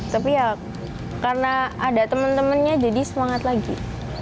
tapi ya karena ada temen temennya jadi semangat lagi